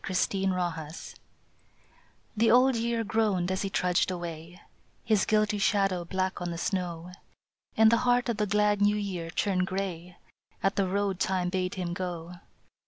BLOOD ROAD THE Old Year groaned as he trudged away, His guilty shadow black on the snow, And the heart of the glad New Year turned grey At the road Time bade him go.